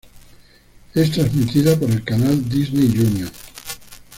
Es transmitida por el canal Disney Junior.